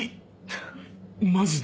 マジで。